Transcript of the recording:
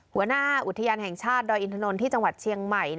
หัวหน้าอุทยานแห่งชาติดอยอินทนนท์ที่จังหวัดเชียงใหม่